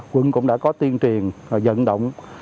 quận cũng đã có tiên triền dẫn động